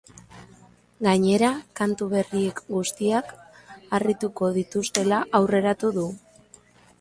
Gainera, kantu berriek guztiak harrituko dituztela aurreratu du.